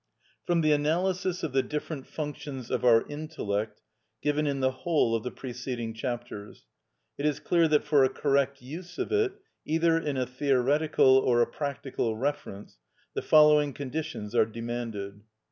From the analysis of the different functions of our intellect given in the whole of the preceding chapters, it is clear that for a correct use of it, either in a theoretical or a practical reference, the following conditions are demanded: (1.)